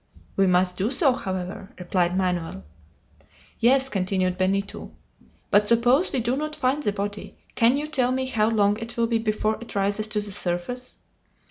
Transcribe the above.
"We must do so, however," replied Manoel. "Yes," continued Benito; "but suppose we do not find the body, can you tell me how long it will be before it rises to the surface?"